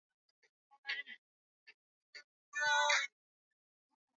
baada ya kushinda katika uchaguzi mkuu wa taifa hilo